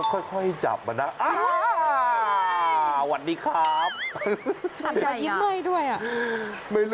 ก็ค่อยจับมันนะวันนี้ครับใคร